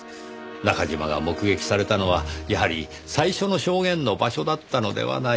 中嶋が目撃されたのはやはり最初の証言の場所だったのではないか。